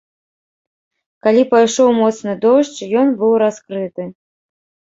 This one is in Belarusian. Калі пайшоў моцны дождж, ён быў раскрыты.